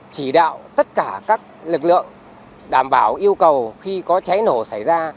chỉ đạo tất cả các lực lượng đảm bảo yêu cầu khi có cháy nổ xảy ra